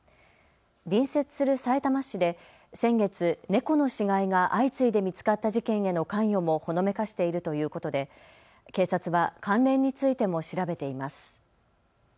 隣接するさいたま市で先月、猫の死骸が相次いで見つかった事件への関与もほのめかしているということで警察は関連についても調べています。